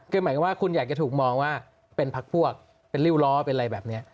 คือหมายความว่าคุณอยากจะถูกมองว่าเป็นพักพวกเป็นริ้วล้อเป็นอะไรแบบนี้